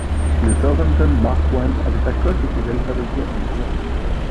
Le Southampton Mk.I avait sa coque et ses ailes fabriquées en bois.